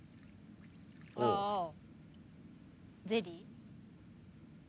あゼリー？